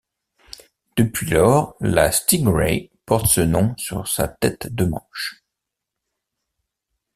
Depuis lors, la StingRay porte ce nom sur sa tête de manche.